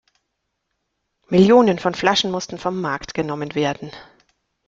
Millionen von Flaschen mussten vom Markt genommen werden.